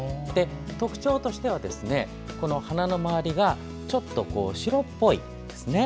特徴としては花の周りがちょっと白っぽい。